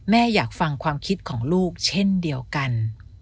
อยากฟังความคิดของลูกเช่นเดียวกัน